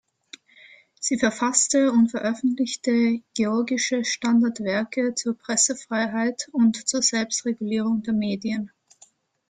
Sie verfasste und veröffentlichte georgische Standardwerke zur Pressefreiheit und zur Selbstregulierung der Medien.